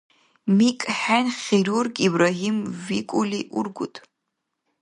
МикӀхӀен хирург Ибрагьим викӀули ургуд?